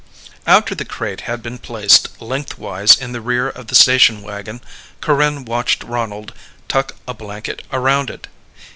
After the crate had been placed lengthwise in the rear of the station wagon, Corinne watched Ronald tuck a blanket around it.